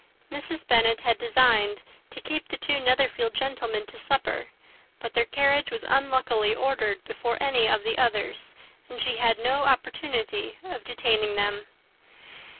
Mrs. Bennet had designed to keep the two Netherfield gentlemen to supper; but their carriage was, unluckily, ordered before any of the others, and she had no opportunity of detaining them.